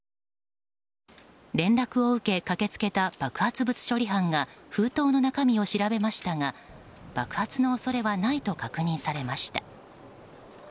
連絡を受け駆けつけた爆発物処理班が封筒の中身を調べましたが爆発の恐れはないと確認されました。